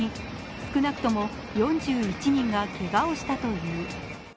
少なくとも４１人がけがをしたという。